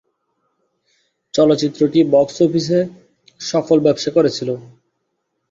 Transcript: চলচ্চিত্রটি বক্স অফিসে সফল ব্যবসা করেছিল।